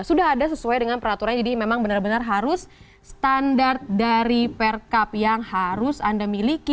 sudah ada sesuai dengan peraturan jadi memang benar benar harus standar dari perkap yang harus anda miliki